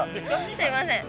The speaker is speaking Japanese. すみません。